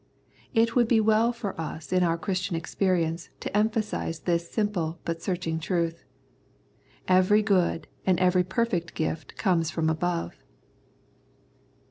It would be well for us in our Christian experience to emphasise this simple but searching truth. " Every good and every perfect gift comes from above."